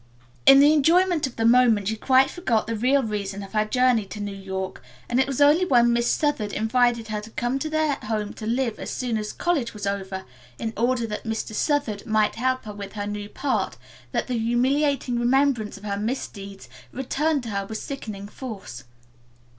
In the enjoyment of the moment she quite forgot the real reason of her journey to New York, and it was only when Miss Southard invited her to come to their home to live as soon as college was over, in order that Mr. Southard might help her with her new part, that the humiliating remembrance of her misdeeds returned to her with sickening force.